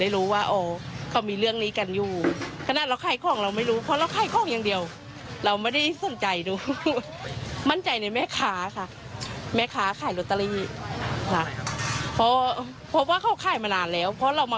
เรามาเราก็เจอเขาแล้ว